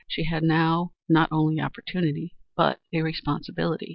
She had now not only opportunity, but a responsibility.